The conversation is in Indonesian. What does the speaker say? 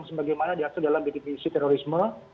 sebagaimana diatur dalam bnpt isi terorisme